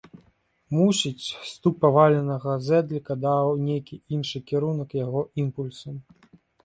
Мусіць, стук паваленага зэдліка даў нейкі іншы кірунак яго імпульсам.